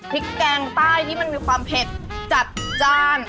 แกงใต้ที่มันมีความเผ็ดจัดจ้าน